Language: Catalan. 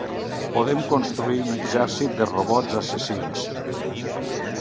Podem construir un exèrcit de robots assassins.